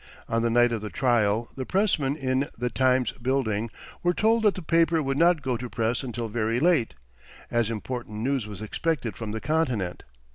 On the night of the trial the pressmen in "The Times" building were told that the paper would not go to press until very late, as important news was expected from the Continent.